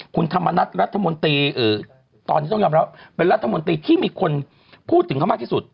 คุณธรรมนัฐรัฐมนตรีตอนนี้ต้องยอมรับเป็นรัฐมนตรีที่มีคนพูดถึงเขามากที่สุด